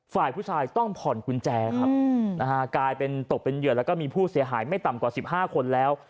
ฝ่ายผู้ชายต้องผ่อนกุญแจครับนะฮะกลายเป็นตกเป็นเหยื่อแล้วก็มีผู้เสียหายไม่ต่ำกว่า๑๕คนแล้ว